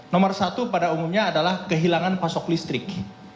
nomor satu pada umumnya adalah kehilangan pasok listrik